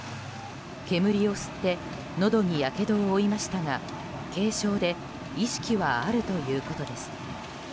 煙を吸ってのどにやけどを負いましたが軽傷で意識はあるということです。